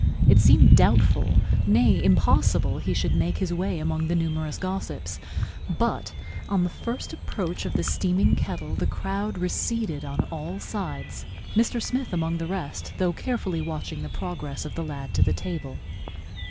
It seemed doubtful, nay, impossible, he should make his way among the numerous gossips but on the first approach of the steaming kettle the crowd receded on all sides, Mr. Smith among the rest, though carefully watching the progress of the lad to the table.